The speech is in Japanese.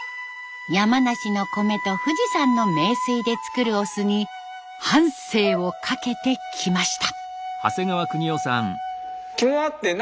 山梨の米と富士山の名水で造るお酢に半生をかけてきました。